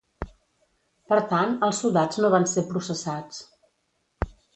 Per tant, els soldats no van ser processats.